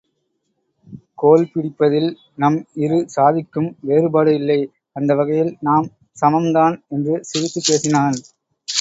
கோல்பிடிப்பதில் நம் இரு சாதிக்கும் வேறுபாடு இல்லை அந்த வகையில் நாம் சமம் தான் என்று சிரித்துப் பேசினான்.